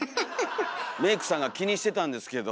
メークさんが気にしてたんですけど。